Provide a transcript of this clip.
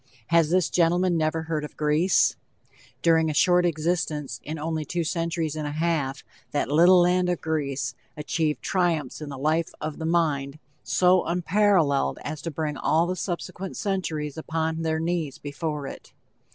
Has this gentleman never heard of Greece? During a short existence, in only two centuries and a half, that little land of Greece achieved triumphs in the life of the mind so unparalleled as to bring all the subsequent centuries upon their knees before it.